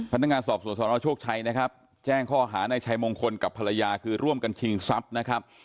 พนักงานสอบสวนสนโชคชัยนะครับแจ้งข้อหาในชัยมงคลกับภรรยาคือร่วมกันชิงทรัพย์นะครับ